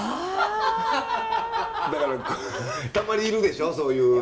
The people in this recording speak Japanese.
だからたまにいるでしょそういう。